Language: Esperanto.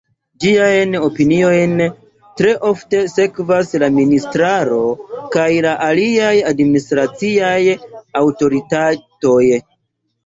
Ĝiajn opiniojn tre ofte sekvas la ministraro kaj la aliaj administraciaj aŭtoritatoj.